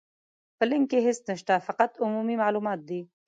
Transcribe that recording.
په لينک کې هيڅ نشته، فقط عمومي مالومات دي.